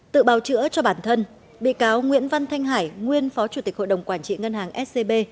tự bào chữa cho bản thân bị cáo nguyễn văn thanh hải nguyên phó chủ tịch hội đồng quản trị ngân hàng scb